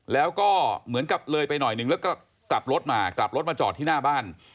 แล้วก็เหมือนกับเลยไปหน่อยนึงแล้วก็กลับรถมากลับรถมาจอดที่หน้าบ้าน